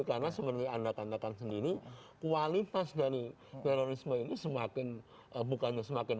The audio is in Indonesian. karena sebenarnya anda tandakan sendiri kualitas dari terorisme ini semakin bukannya semakin